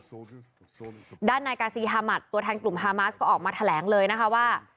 ส่วนด้านนายกาซีฮามัดตัวแทนกลุ่มฮามาสก็ออกมาแถลงเลยนะคะว่า